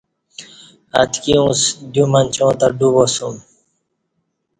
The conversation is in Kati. اتکی اُنڅ دیو منچاں تہ ڈو باسُم